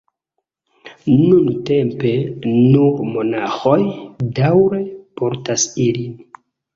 Nuntempe nur monaĥoj daŭre portas ilin.